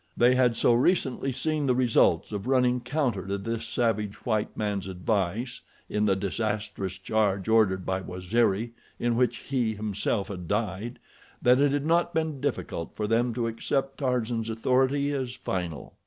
They had so recently seen the results of running counter to this savage white man's advice in the disastrous charge ordered by Waziri, in which he himself had died, that it had not been difficult for them to accept Tarzan's authority as final.